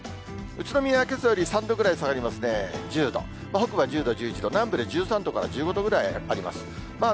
宇都宮はけさより３度ぐらい下がりますね、１０度、北部は１０度、１１度、南部で１３度から１５度ぐらいあります。